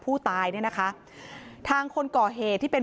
ไม่ตั้งใจครับ